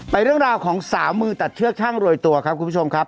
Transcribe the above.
เรื่องราวของสาวมือตัดเชือกช่างโรยตัวครับคุณผู้ชมครับ